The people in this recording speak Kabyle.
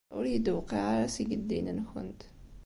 Ur iyi-d-tewqiɛ ara seg ddin-nkent.